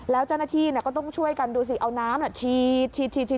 แล้วเจ้าหน้าที่ก็ต้องช่วยกันดูสิเอาน้ำฉีด